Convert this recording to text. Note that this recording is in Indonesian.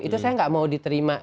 itu saya nggak mau diterima